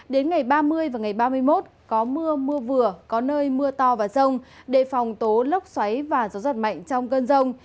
đến ngày ba mươi và ngày ba mươi một có mưa mưa vừa có nơi mưa to và rông đề phòng tố lốc xoáy và gió giật mạnh trong cơn rông